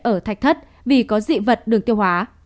ở thạch thất vì có dị vật đường tiêu hóa